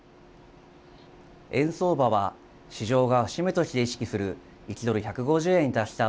円相場は市場が節目として意識する１ドル１５０円に達した